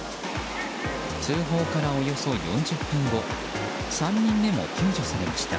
通報からおよそ４０分後３人目も救助されました。